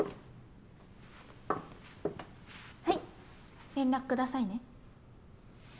はい連絡くださいね。